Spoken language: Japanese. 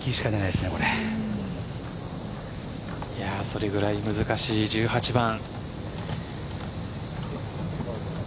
それぐらい難しい１８番。